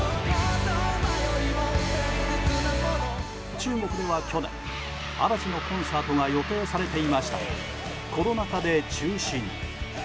中国では去年嵐のコンサートが予定されていましたがコロナ禍で中止に。